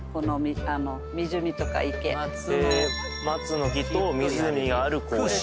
松へえー松の木と湖がある公園